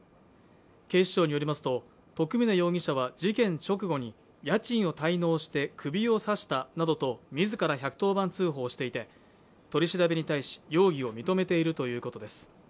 警視庁によりますと徳峰容疑者は事件直後に家賃を滞納して、首を刺したなどと自ら１１０番通報していて、取り調べに対し、容疑を認めているということです。